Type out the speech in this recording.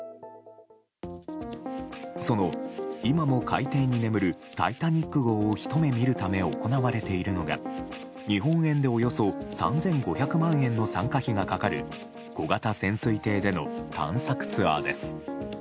その、今も海底に眠る「タイタニック号」をひと目見るため行われているのが日本円で、およそ３５００万円の参加費がかかる小型潜水艇での探索ツアーです。